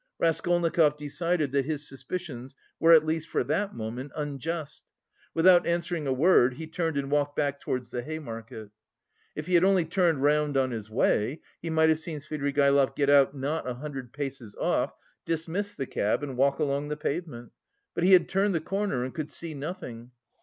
Raskolnikov decided that his suspicions were at least for that moment unjust. Without answering a word he turned and walked back towards the Hay Market. If he had only turned round on his way he might have seen Svidrigaïlov get out not a hundred paces off, dismiss the cab and walk along the pavement. But he had turned the corner and could see nothing.